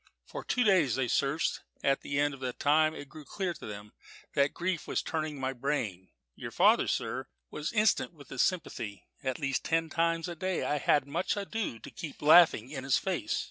For two days they searched; at the end of that time it grew clear to them that grief was turning my brain. Your father, sir, was instant with his sympathy at least ten times a day I had much ado to keep from laughing in his face.